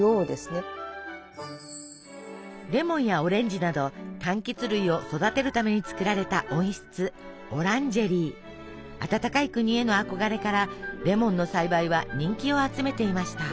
レモンやオレンジなどかんきつ類を育てるために作られた温室暖かい国への憧れからレモンの栽培は人気を集めていました。